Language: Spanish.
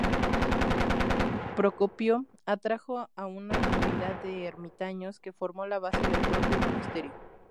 Procopio atrajo a una comunidad de ermitaños que formó la base del propio monasterio.